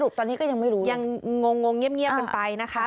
สรุปตอนนี้ก็ยังไม่รู้เลยยังงงงเงี๊ยบเงี๊ยบกันไปนะคะ